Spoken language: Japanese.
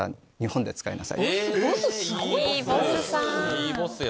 いいボスや。